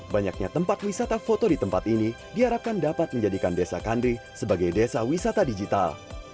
banyaknya tempat wisata foto di tempat ini diharapkan dapat menjadikan desa kandri sebagai desa wisata digital